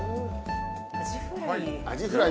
アジフライ。